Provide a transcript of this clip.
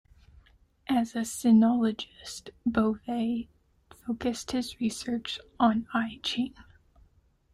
As a sinologist, Bouvet focused his research on "I Ching".